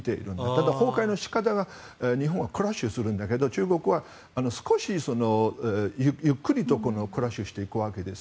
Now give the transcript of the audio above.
ただ崩壊の仕方が、日本はクラッシュするんだけど、中国は少しゆっくりとクラッシュしていくわけです。